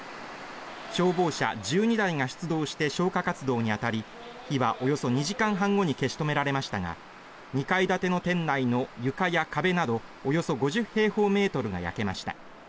消防車１２台が出動して消火活動にあたり火はおよそ２時間半後に消し止められましたが２階建ての店内の床や壁などおよそ５０平方メートルが焼けました。